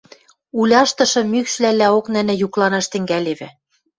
Уляштышы мӱкшвлӓлӓок нӹнӹ юкланаш тӹнгӓлевӹ: